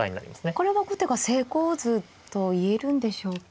これは後手が成功図と言えるんでしょうか。